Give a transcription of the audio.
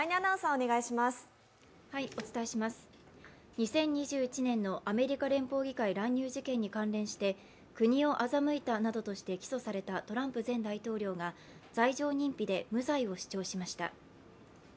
２０２１年のアメリカ連邦議会乱入事件に関連して、国を欺いたなどとして起訴されたトランプ前大統領が、罪状認否で無罪を主張しました。